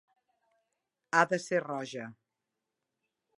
Ha de ser roja.